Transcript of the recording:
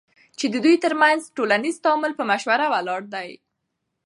چی ددوی ترمنځ ټولنیز تعامل په مشوره ولاړ دی،